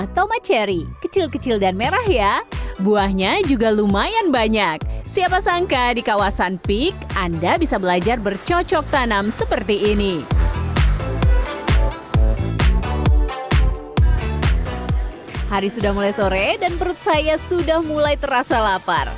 hari sudah mulai sore dan perut saya sudah mulai terasa lapar